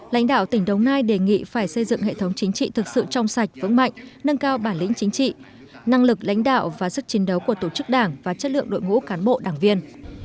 lãnh đạo tỉnh đồng nai đề nghị phải xây dựng hệ thống chính trị thực sự trong sạch vững mạnh nâng cao bản lĩnh chính trị năng lực lãnh đạo và sức chiến đấu của tổ chức đảng và chất lượng đội ngũ cán bộ đảng viên